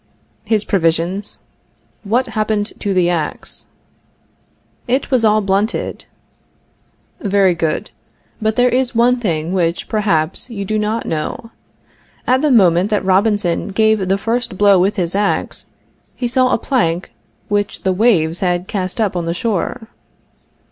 His provisions. What happened to the ax? It was all blunted. Very good; but there is one thing which, perhaps, you do not know. At the moment that Robinson gave the first blow with his ax, he saw a plank which the waves had cast up on the shore.